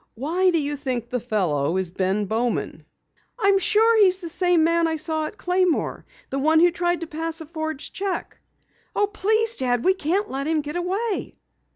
"Why do you think the fellow is Bowman?" "I'm sure he's the same man I saw at Claymore. The one who tried to pass a forged cheque! Oh, please Dad, we can't let him get away!"